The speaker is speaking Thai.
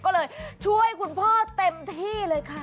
ก็เลยช่วยคุณพ่อเต็มที่เลยค่ะ